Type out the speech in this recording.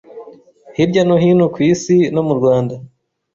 hirya no hino ku Isi no mu Rwanda